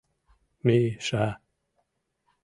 Ми-ша!